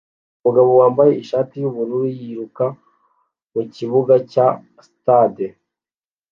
Umugabo wambaye ishati yubururu yiruka mukibuga cya stade